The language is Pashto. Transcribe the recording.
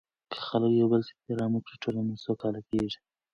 که خلک یو بل ته احترام ورکړي، ټولنه سوکاله کیږي.